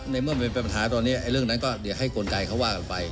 ในเมื่อมันเป็นปัญหาตอนนี้เรื่องนั้นก็เดี๋ยวให้กลไกเขาว่ากันไป